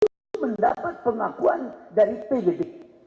untuk mendapat pengakuan dari pdb